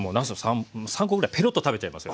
３コぐらいペロッと食べちゃいますよ。